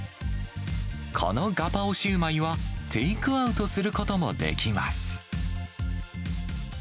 このガパオシューマイは、テイクアウトすることもできます。